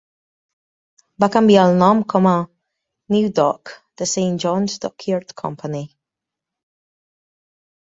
Va canviar el nom com a NewDock-The Saint John's Dockyard Company.